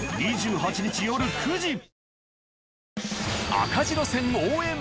赤字路線を応援。